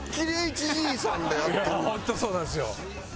いやあホントそうなんですよ。